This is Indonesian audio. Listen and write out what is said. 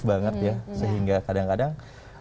banget ya sehingga kadang kadang